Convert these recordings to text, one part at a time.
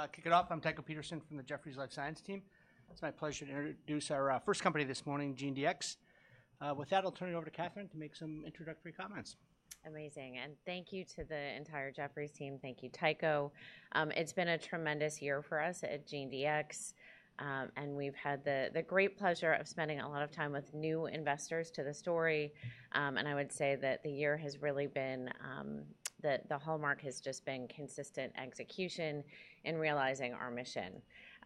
Hey. Kick it off. I'm Tycho Peterson from the Jefferies Life Sciences Team. It's my pleasure to introduce our first company this morning, GeneDx. With that, I'll turn it over to Katherine to make some introductory comments. Amazing, and thank you to the entire Jefferies team. Thank you, Tycho. It's been a tremendous year for us at GeneDx, and we've had the great pleasure of spending a lot of time with new investors to the story, and I would say that the year has really been that the hallmark has just been consistent execution in realizing our mission.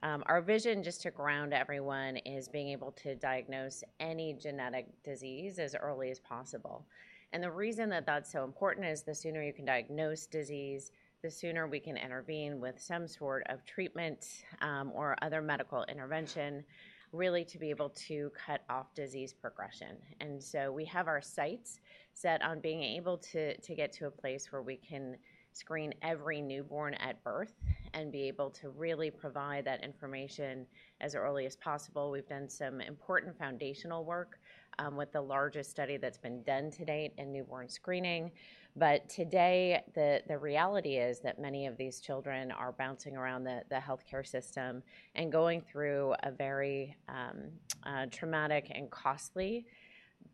Our vision, just to ground everyone, is being able to diagnose any genetic disease as early as possible, and the reason that that's so important is the sooner you can diagnose disease, the sooner we can intervene with some sort of treatment or other medical intervention, really to be able to cut off disease progression. And so we have our sights set on being able to get to a place where we can screen every newborn at birth and be able to really provide that information as early as possible. We've done some important foundational work with the largest study that's been done to date in newborn screening. But today, the reality is that many of these children are bouncing around the health care system and going through a very traumatic and costly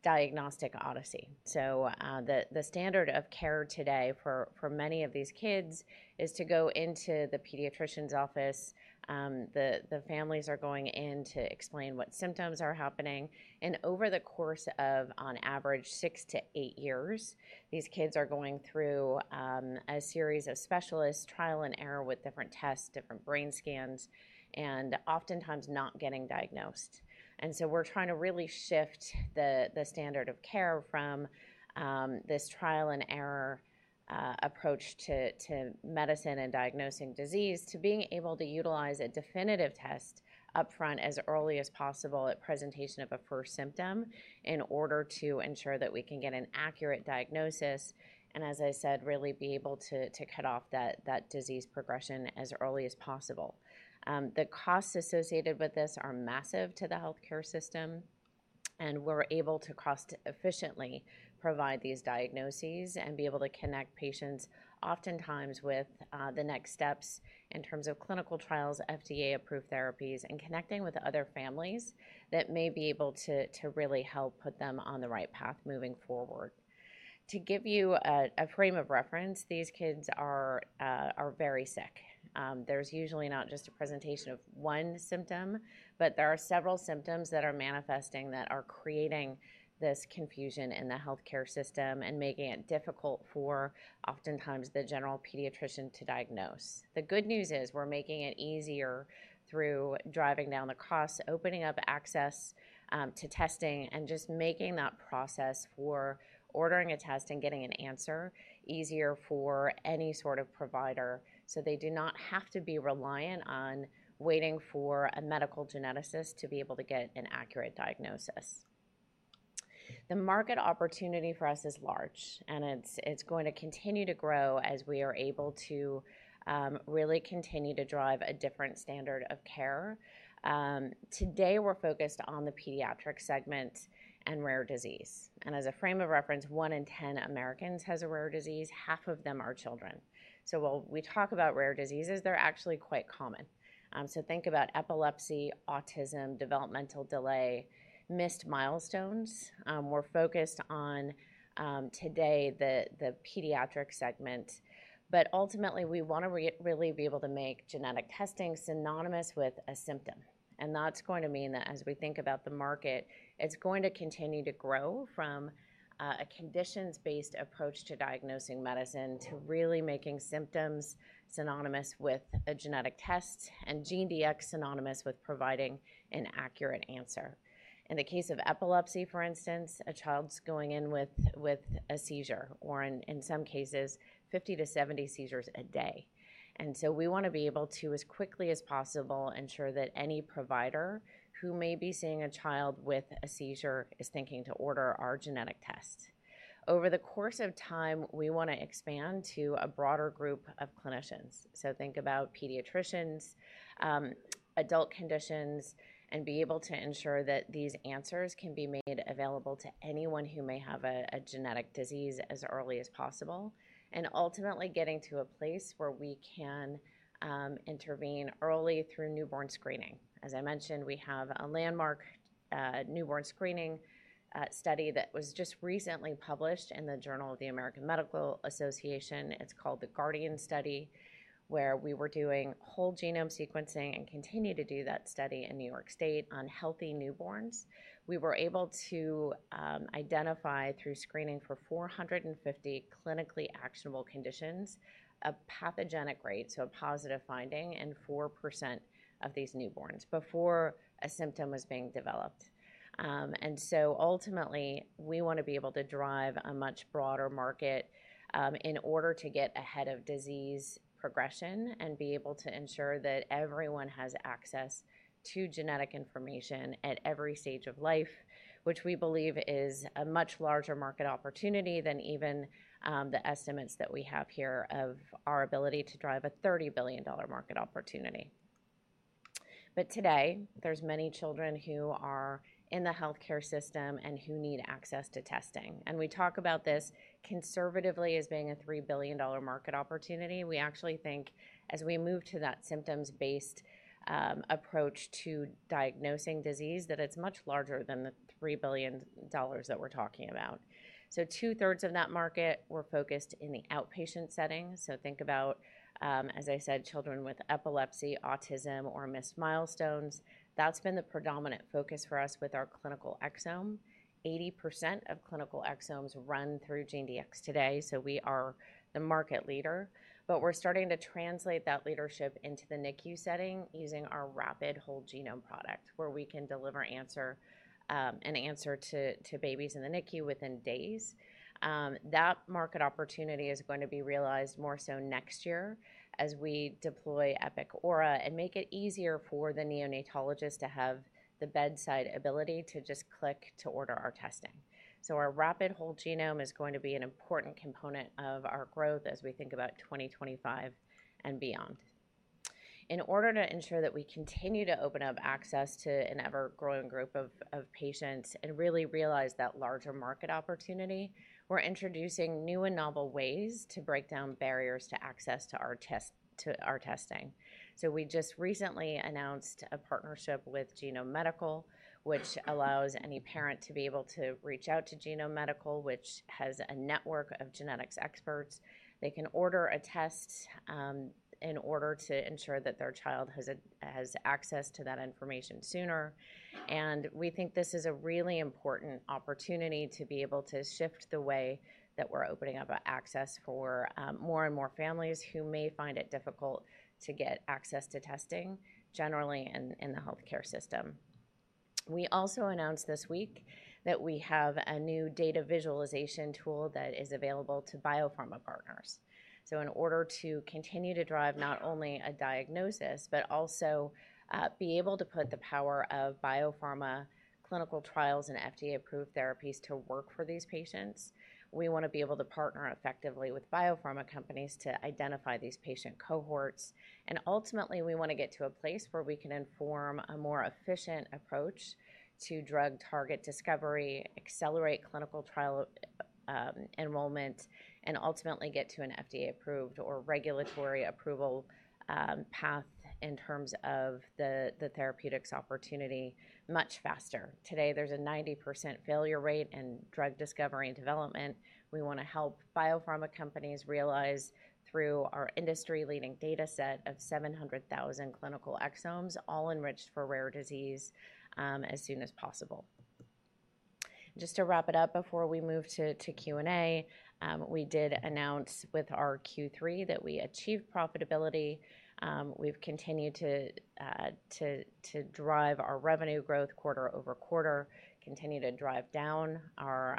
diagnostic odyssey. So the standard of care today for many of these kids is to go into the pediatrician's office. The families are going in to explain what symptoms are happening. And over the course of, on average, six to eight years, these kids are going through a series of specialists, trial and error with different tests, different brain scans, and oftentimes not getting diagnosed. And so we're trying to really shift the standard of care from this trial and error approach to medicine and diagnosing disease to being able to utilize a definitive test upfront as early as possible at presentation of a first symptom in order to ensure that we can get an accurate diagnosis. And as I said, really be able to cut off that disease progression as early as possible. The costs associated with this are massive to the health care system. And we're able to cost-efficiently provide these diagnoses and be able to connect patients oftentimes with the next steps in terms of clinical trials, FDA-approved therapies, and connecting with other families that may be able to really help put them on the right path moving forward. To give you a frame of reference, these kids are very sick. There's usually not just a presentation of one symptom, but there are several symptoms that are manifesting that are creating this confusion in the health care system and making it difficult for oftentimes the general pediatrician to diagnose. The good news is we're making it easier through driving down the costs, opening up access to testing, and just making that process for ordering a test and getting an answer easier for any sort of provider so they do not have to be reliant on waiting for a medical geneticist to be able to get an accurate diagnosis. The market opportunity for us is large, and it's going to continue to grow as we are able to really continue to drive a different standard of care. Today, we're focused on the pediatric segment and rare disease, and as a frame of reference, one in 10 Americans has a rare disease. Half of them are children, so while we talk about rare diseases, they're actually quite common, so think about epilepsy, autism, developmental delay, missed milestones. We're focused on today the pediatric segment, but ultimately, we want to really be able to make genetic testing synonymous with a symptom, and that's going to mean that as we think about the market, it's going to continue to grow from a conditions-based approach to diagnosing medicine to really making symptoms synonymous with a genetic test and GeneDx synonymous with providing an accurate answer. In the case of epilepsy, for instance, a child's going in with a seizure or in some cases, 50-70 seizures a day, and so we want to be able to, as quickly as possible, ensure that any provider who may be seeing a child with a seizure is thinking to order our genetic test. Over the course of time, we want to expand to a broader group of clinicians. So think about pediatricians, adult conditions, and be able to ensure that these answers can be made available to anyone who may have a genetic disease as early as possible and ultimately getting to a place where we can intervene early through newborn screening. As I mentioned, we have a landmark newborn screening study that was just recently published in the Journal of the American Medical Association. It's called the GUARDIAN Study, where we were doing whole genome sequencing and continue to do that study in New York State on healthy newborns. We were able to identify through screening for 450 clinically actionable conditions, a pathogenic rate, so a positive finding in 4% of these newborns before a symptom was being developed. And so ultimately, we want to be able to drive a much broader market in order to get ahead of disease progression and be able to ensure that everyone has access to genetic information at every stage of life, which we believe is a much larger market opportunity than even the estimates that we have here of our ability to drive a $30 billion market opportunity. But today, there's many children who are in the health care system and who need access to testing. And we talk about this conservatively as being a $3 billion market opportunity. We actually think as we move to that symptoms-based approach to diagnosing disease that it's much larger than the $3 billion that we're talking about. So two-thirds of that market, we're focused in the outpatient setting. So think about, as I said, children with epilepsy, autism, or missed milestones. That's been the predominant focus for us with our clinical exome. 80% of clinical exomes run through GeneDx today. So we are the market leader. But we're starting to translate that leadership into the NICU setting using our rapid whole genome product where we can deliver an answer to babies in the NICU within days. That market opportunity is going to be realized more so next year as we deploy Epic Aura and make it easier for the neonatologist to have the bedside ability to just click to order our testing. So our rapid whole genome is going to be an important component of our growth as we think about 2025 and beyond. In order to ensure that we continue to open up access to an ever-growing group of patients and really realize that larger market opportunity, we're introducing new and novel ways to break down barriers to access to our testing, so we just recently announced a partnership with Genome Medical, which allows any parent to be able to reach out to Genome Medical, which has a network of genetics experts. They can order a test in order to ensure that their child has access to that information sooner, and we think this is a really important opportunity to be able to shift the way that we're opening up access for more and more families who may find it difficult to get access to testing generally in the health care system. We also announced this week that we have a new data visualization tool that is available to biopharma partners. So in order to continue to drive not only a diagnosis, but also be able to put the power of biopharma clinical trials and FDA-approved therapies to work for these patients, we want to be able to partner effectively with biopharma companies to identify these patient cohorts. And ultimately, we want to get to a place where we can inform a more efficient approach to drug target discovery, accelerate clinical trial enrollment, and ultimately get to an FDA-approved or regulatory approval path in terms of the therapeutics opportunity much faster. Today, there's a 90% failure rate in drug discovery and development. We want to help biopharma companies realize through our industry-leading data set of 700,000 clinical exomes, all enriched for rare disease, as soon as possible. Just to wrap it up before we move to Q&A, we did announce with our Q3 that we achieved profitability. We've continued to drive our revenue growth quarter over quarter, continue to drive down our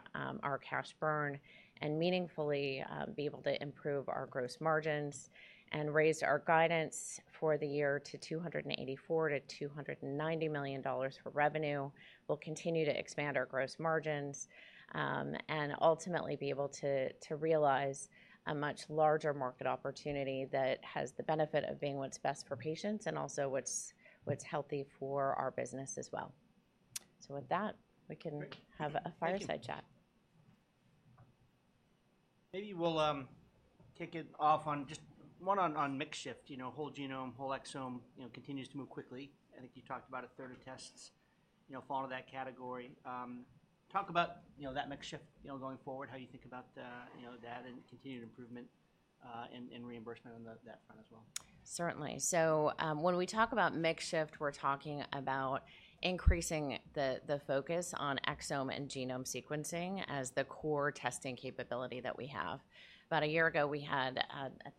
cash burn and meaningfully be able to improve our gross margins and raise our guidance for the year to $284-$290 million for revenue. We'll continue to expand our gross margins and ultimately be able to realize a much larger market opportunity that has the benefit of being what's best for patients and also what's healthy for our business as well. So with that, we can have a fireside chat. Maybe we'll kick it off on just one on mix shift. Whole genome, whole exome continues to move quickly. I think you talked about a third of tests fall into that category. Talk about that mix shift going forward, how you think about that and continued improvement and reimbursement on that front as well. Certainly. So when we talk about mix shift, we're talking about increasing the focus on exome and genome sequencing as the core testing capability that we have. About a year ago, we had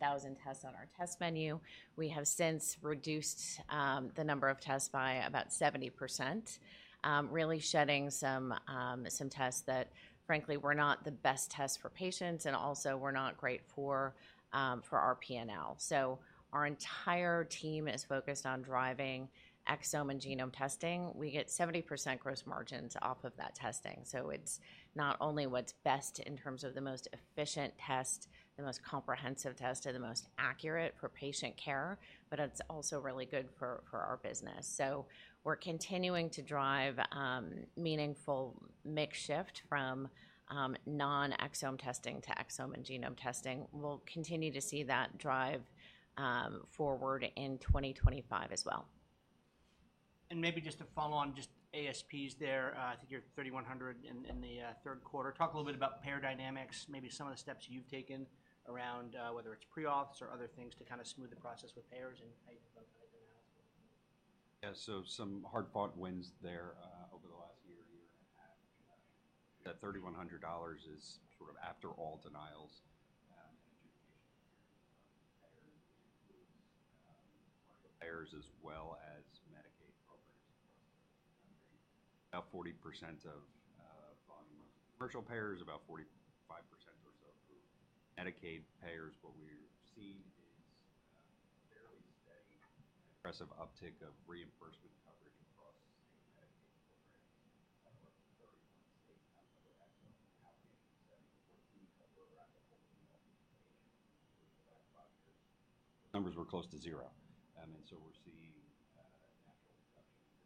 1,000 tests on our test menu. We have since reduced the number of tests by about 70%, really shedding some tests that, frankly, were not the best tests for patients and also were not great for our P&L. So our entire team is focused on driving exome and genome testing. We get 70% gross margins off of that testing. So it's not only what's best in terms of the most efficient test, the most comprehensive test, and the most accurate for patient care, but it's also really good for our business. So we're continuing to drive meaningful mix shift from non-exome testing to exome and genome testing. We'll continue to see that drive forward in 2025 as well. Maybe just to follow on just ASPs there, I think you're $3,100 in the third quarter. Talk a little bit about payer dynamics, maybe some of the steps you've taken around whether it's preauths or other things to kind of smooth the process with payers and how you've done that as well. Yeah, so some hard-fought wins there over the last year, year and a half. That $3,100 is sort of after all denials and education from payers. It includes large payers as well as Medicaid programs. About 40% of volume of commercial payers, about 45% or so approved. Medicaid payers, what we've seen is a fairly steady and aggressive uptick of reimbursement coverage across Medicaid programs. We're up to 31 states now that we're actually now in the 70%. We were around the whole genome patient group for the last five years. Those numbers were close to zero. And so we're seeing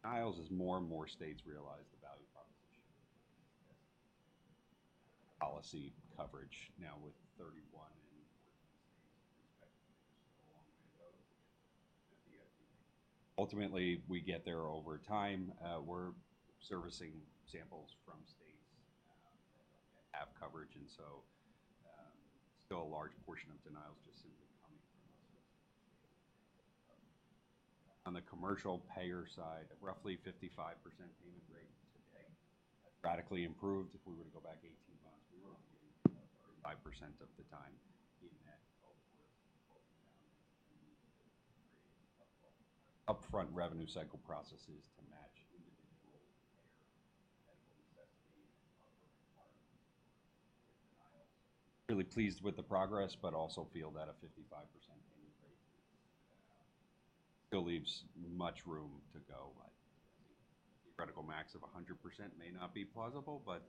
a natural reduction denials as more and more states realize the value proposition of policy coverage. Now, with 31 and 14 states respectively, there's still a long way to go to get the FDA approval. Ultimately, we get there over time. We're servicing samples from states that have coverage. Still a large portion of denials just simply coming from us as a state. On the commercial payer side, roughly 55% payment rate today has radically improved. If we were to go back 18 months, we were only getting 35% of the time in that 12-quarter rolling data. We need to create upfront revenue cycle processes to match individual payer medical necessity and other requirements for denials. Really pleased with the progress, but also feel that a 55% payment rate still leaves much room to go. I think the critical max of 100% may not be plausible, but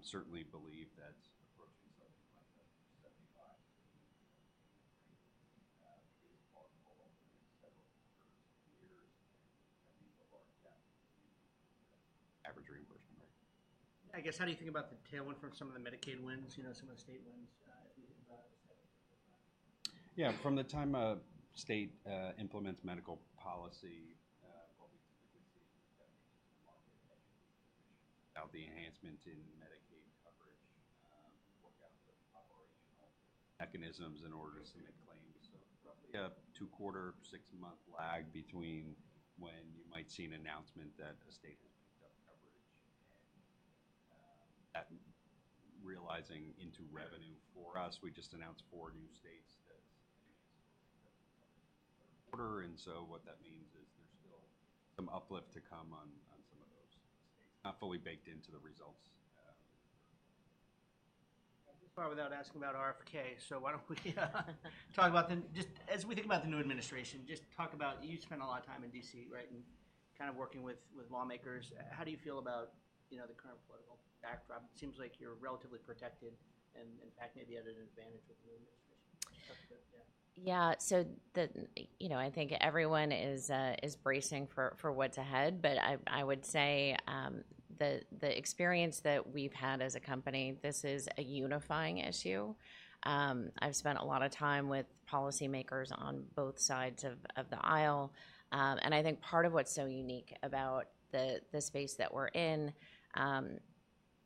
certainly believe that approaching something like a 75% payment rate is possible over the next several years and a large gap between the average reimbursement rate. I guess, how do you think about the tailwind from some of the Medicaid wins, some of the state wins? Yeah, from the time a state implements Medicaid policy, what we typically see is a diffusion of market activity increase. How the enhancement in Medicaid coverage worked out for operational mechanisms in order to submit claims, so roughly a two-quarter, six-month lag between when you might see an announcement that a state has picked up coverage and the realization into revenue for us. We just announced four new states that have been able to pick up coverage in the third quarter, and so what that means is there's still some uplift to come on some of those states. Not fully baked into the results. I'll just start without asking about RFK. So why don't we talk about the new administration? Just talk about you spent a lot of time in DC, right, and kind of working with lawmakers. How do you feel about the current political backdrop? It seems like you're relatively protected and, in fact, maybe at an advantage with the new administration. Yeah. So I think everyone is bracing for what's ahead. But I would say the experience that we've had as a company, this is a unifying issue. I've spent a lot of time with policymakers on both sides of the aisle. And I think part of what's so unique about the space that we're in,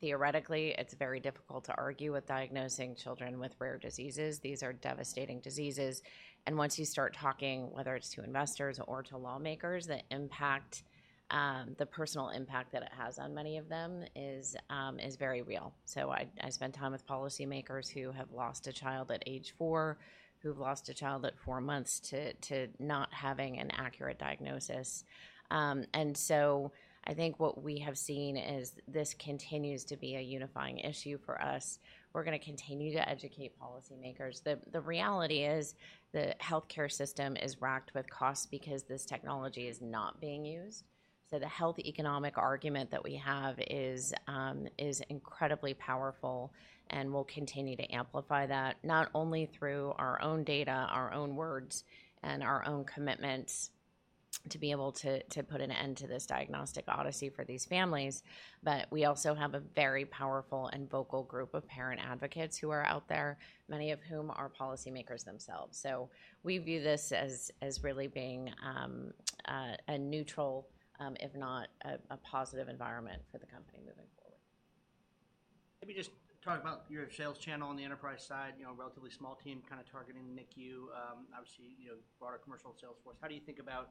theoretically, it's very difficult to argue with diagnosing children with rare diseases. These are devastating diseases. And once you start talking, whether it's to investors or to lawmakers, the impact, the personal impact that it has on many of them is very real. So I spend time with policymakers who have lost a child at age four, who've lost a child at four months to not having an accurate diagnosis. And so I think what we have seen is this continues to be a unifying issue for us. We're going to continue to educate policymakers. The reality is the health care system is wracked with costs because this technology is not being used. So the health economic argument that we have is incredibly powerful and will continue to amplify that not only through our own data, our own words, and our own commitments to be able to put an end to this diagnostic odyssey for these families, but we also have a very powerful and vocal group of parent advocates who are out there, many of whom are policymakers themselves. So we view this as really being a neutral, if not a positive environment for the company moving forward. Maybe just talk about your sales channel on the enterprise side, relatively small team kind of targeting NICU, obviously broader commercial sales force. How do you think about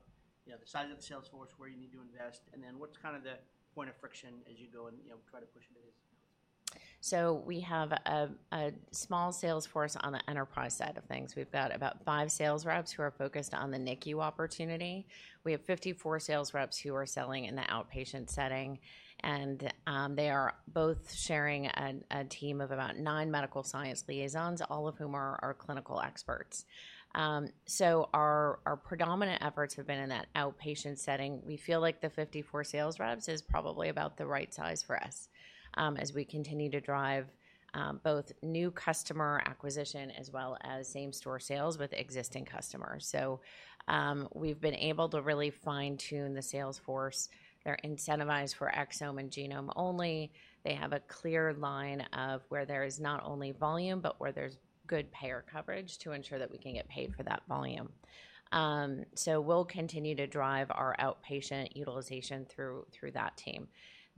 the size of the sales force, where you need to invest, and then what's kind of the point of friction as you go and try to push into these sales forces? So we have a small sales force on the enterprise side of things. We've got about five sales reps who are focused on the NICU opportunity. We have 54 sales reps who are selling in the outpatient setting. And they are both sharing a team of about nine medical science liaisons, all of whom are our clinical experts. So our predominant efforts have been in that outpatient setting. We feel like the 54 sales reps is probably about the right size for us as we continue to drive both new customer acquisition as well as same-store sales with existing customers. So we've been able to really fine-tune the sales force. They're incentivized for exome and genome only. They have a clear line of where there is not only volume, but where there's good payer coverage to ensure that we can get paid for that volume. So we'll continue to drive our outpatient utilization through that team.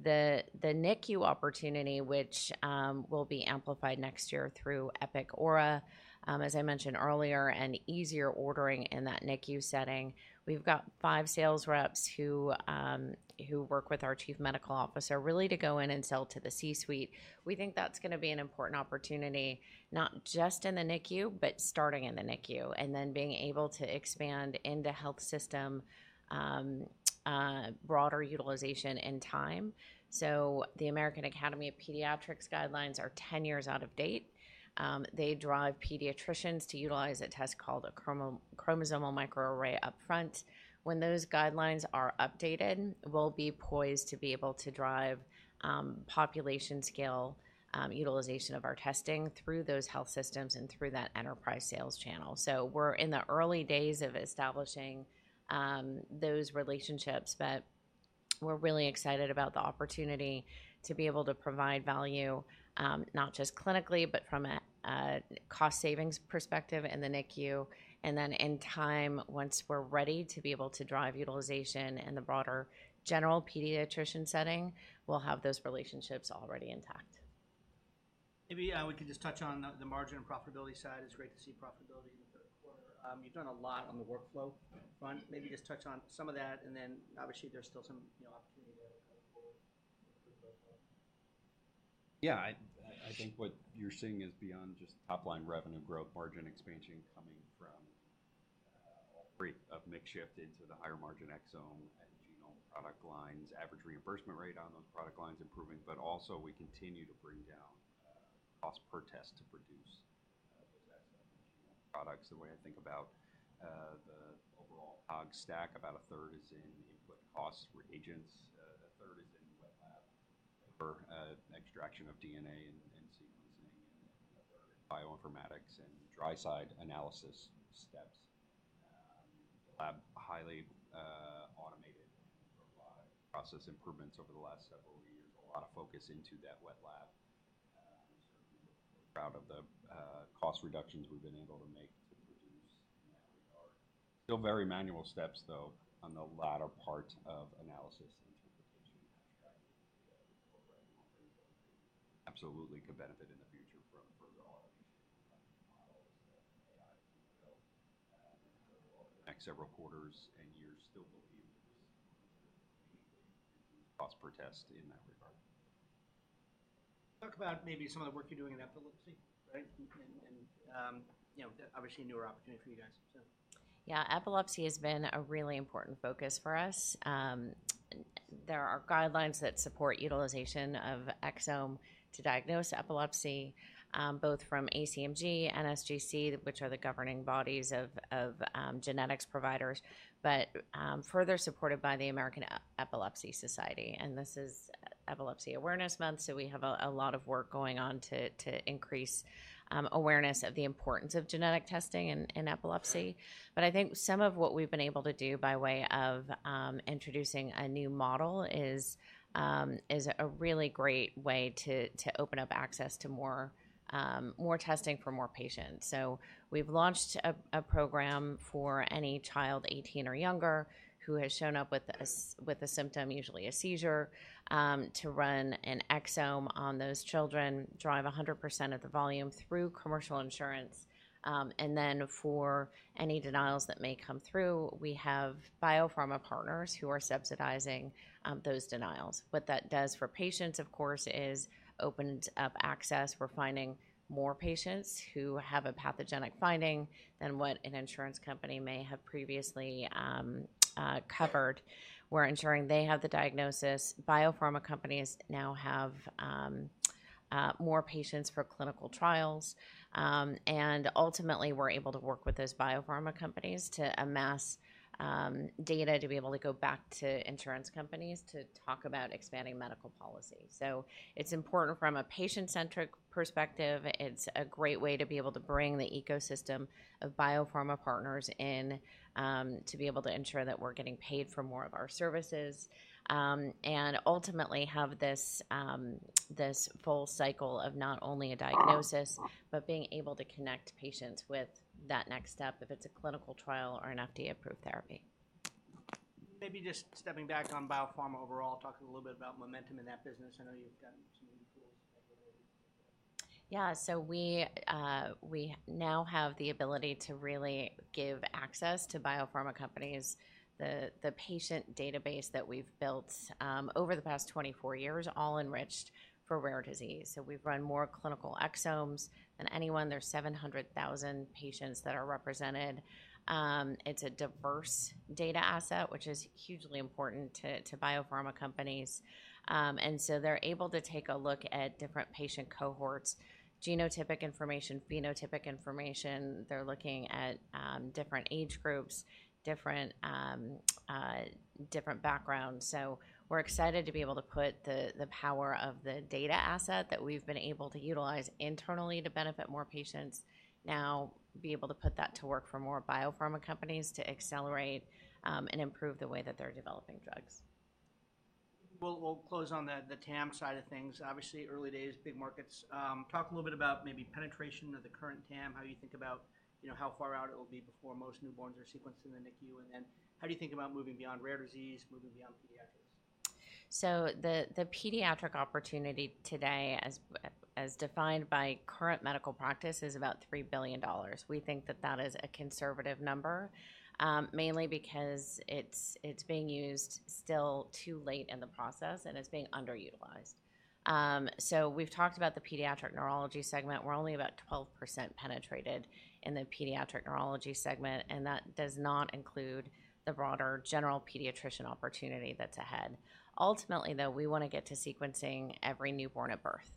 The NICU opportunity, which will be amplified next year through Epic Aura, as I mentioned earlier, and easier ordering in that NICU setting. We've got five sales reps who work with our Chief Medical Officer really to go in and sell to the C-suite. We think that's going to be an important opportunity not just in the NICU, but starting in the NICU and then being able to expand into health system broader utilization in time. So the American Academy of Pediatrics guidelines are 10 years out of date. They drive pediatricians to utilize a test called a chromosomal microarray upfront. When those guidelines are updated, we'll be poised to be able to drive population-scale utilization of our testing through those health systems and through that enterprise sales channel. So we're in the early days of establishing those relationships, but we're really excited about the opportunity to be able to provide value not just clinically, but from a cost savings perspective in the NICU. And then in time, once we're ready to be able to drive utilization in the broader general pediatrician setting, we'll have those relationships already intact. Maybe we can just touch on the margin and profitability side. It's great to see profitability in the third quarter. You've done a lot on the workflow front. Maybe just touch on some of that. And then obviously, there's still some opportunity to improve those lines. Yeah, I think what you're seeing is beyond just top-line revenue growth, margin expansion coming from all three of mix shift into the higher margin exome and genome product lines, average reimbursement rate on those product lines improving, but also we continue to bring down cost per test to produce those exome and genome products the way I think about the overall COGS stack. About a third is in input costs, reagents. A third is in wet lab extraction of DNA and sequencing, and then a third in bioinformatics and dry side analysis steps. Lab highly automated and robust. Process improvements over the last several years. A lot of focus into that wet lab. I'm certainly proud of the cost reductions we've been able to make to produce. We are still very manual steps, though, on the latter part of analysis and interpretation and tracking to incorporate all those things that absolutely could benefit in the future from further automation of the models and AI and genome build. So over the next several quarters and years, still believe there's a need to increase cost per test in that regard. Talk about maybe some of the work you're doing in epilepsy, right? And obviously, newer opportunity for you guys, so. Yeah, epilepsy has been a really important focus for us. There are guidelines that support utilization of exome to diagnose epilepsy, both from ACMG and NSGC, which are the governing bodies of genetics providers, but further supported by the American Epilepsy Society. And this is Epilepsy Awareness Month, so we have a lot of work going on to increase awareness of the importance of genetic testing in epilepsy. But I think some of what we've been able to do by way of introducing a new model is a really great way to open up access to more testing for more patients. So we've launched a program for any child 18 or younger who has shown up with a symptom, usually a seizure, to run an exome on those children, drive 100% of the volume through commercial insurance. And then for any denials that may come through, we have biopharma partners who are subsidizing those denials. What that does for patients, of course, is open up access. We're finding more patients who have a pathogenic finding than what an insurance company may have previously covered. We're ensuring they have the diagnosis. Biopharma companies now have more patients for clinical trials. And ultimately, we're able to work with those biopharma companies to amass data to be able to go back to insurance companies to talk about expanding medical policy. So it's important from a patient-centric perspective. It's a great way to be able to bring the ecosystem of biopharma partners in to be able to ensure that we're getting paid for more of our services and ultimately have this full cycle of not only a diagnosis, but being able to connect patients with that next step, if it's a clinical trial or an FDA-approved therapy. Maybe just stepping back on biopharma overall, talking a little bit about momentum in that business. I know you've got some new tools available. Yeah, so we now have the ability to really give access to biopharma companies the patient database that we've built over the past 24 years, all enriched for rare disease. So we've run more clinical exomes than anyone. There's 700,000 patients that are represented. It's a diverse data asset, which is hugely important to biopharma companies. And so they're able to take a look at different patient cohorts, genotypic information, phenotypic information. They're looking at different age groups, different backgrounds. So we're excited to be able to put the power of the data asset that we've been able to utilize internally to benefit more patients now, be able to put that to work for more biopharma companies to accelerate and improve the way that they're developing drugs. We'll close on the TAM side of things. Obviously, early days, big markets. Talk a little bit about maybe penetration of the current TAM, how you think about how far out it will be before most newborns are sequenced in the NICU, and then how do you think about moving beyond rare disease, moving beyond pediatrics? So the pediatric opportunity today, as defined by current medical practice, is about $3 billion. We think that that is a conservative number, mainly because it's being used still too late in the process and it's being underutilized. So we've talked about the pediatric neurology segment. We're only about 12% penetrated in the pediatric neurology segment, and that does not include the broader general pediatrician opportunity that's ahead. Ultimately, though, we want to get to sequencing every newborn at birth.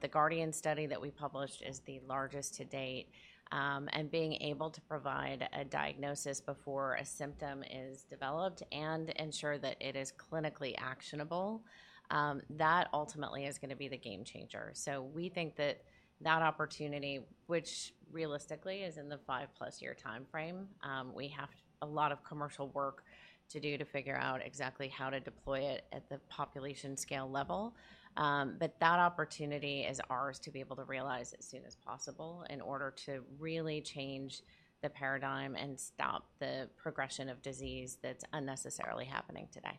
The Guardian Study that we published is the largest to date. And being able to provide a diagnosis before a symptom is developed and ensure that it is clinically actionable, that ultimately is going to be the game changer. So we think that that opportunity, which realistically is in the five-plus year time frame, we have a lot of commercial work to do to figure out exactly how to deploy it at the population-scale level. But that opportunity is ours to be able to realize as soon as possible in order to really change the paradigm and stop the progression of disease that's unnecessarily happening today.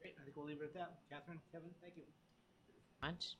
Great. I think we'll leave it at that. Katherine, Kevin, thank you. Much.